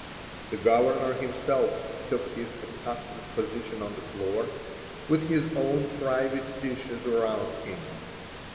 The governor himself took his accustomed position on the floor, with his own private dishes around him.